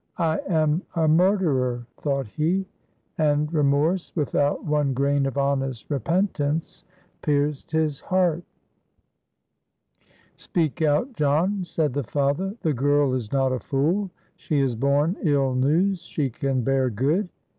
"I am a murderer!" thought he. And remorse without one grain of honest repentance pierced his heart. "Speak out, John," said the father, "the girl is not a fool. She has borne ill news, she can bear good.